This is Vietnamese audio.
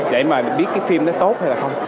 để mà mình biết cái phim nó tốt hay là không